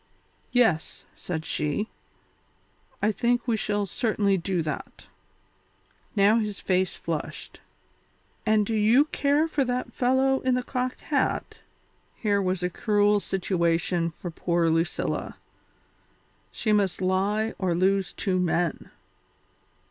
"Yes," said she, "I think we shall certainly do that." Now his face flushed. "And do you care for that fellow in the cocked hat?" Here was a cruel situation for poor Lucilla. She must lie or lose two men.